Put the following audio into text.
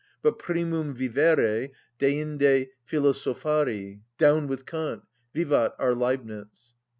But primum vivere, deinde philosophari! Down with Kant, vivat our Leibnitz!